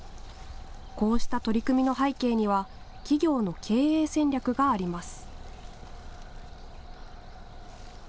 こうした取り組みの背景には企業の経営戦略があります。